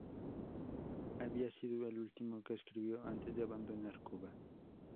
Había sido el último que escribió antes de abandonar Cuba.